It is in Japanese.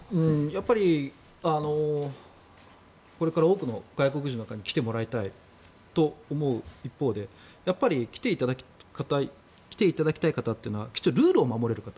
やっぱり、これから多くの外国人の方に来ていただきたいと思う一方でやっぱり来ていただきたい方というのはルールを守れる方。